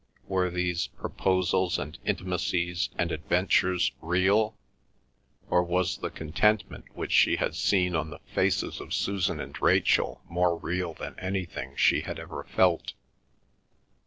Were these proposals and intimacies and adventures real, or was the contentment which she had seen on the faces of Susan and Rachel more real than anything she had ever felt?